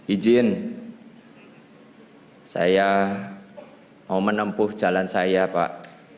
izin saya mau menempuh jalan saya pak